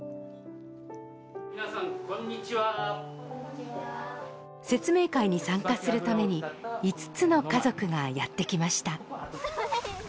皆さんこんにちはーこんにちは説明会に参加するために５つの家族がやってきました